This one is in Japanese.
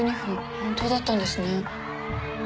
本当だったんですね。